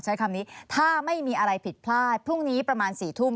ใช้คำนี้ถ้าไม่มีอะไรผิดพลาดพรุ่งนี้ประมาณ๔ทุ่ม